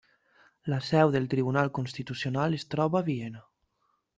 La seu del Tribunal Constitucional es troba a Viena.